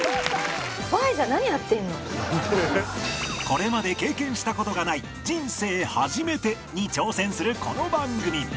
これまで経験した事がない「人生初めて」に挑戦するこの番組